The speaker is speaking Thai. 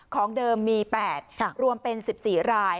ของเดิมมี๘รวมเป็น๑๔ราย